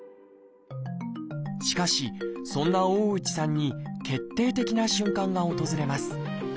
しかしそんな大内さんに決定的な瞬間が訪れます。